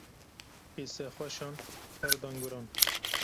Qîsexweşan ker dan guran.